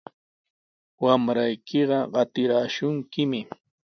Wamraykiqa qatiraashunkimi.